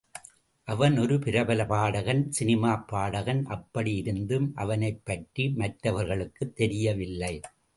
அவன் ஒரு பிரபல பாடகன் சினிமாப் பாடகன் அப்படி இருந்தும் அவனைப்பற்றி மற்றவர்களுக்குத் தெரியவில்லை.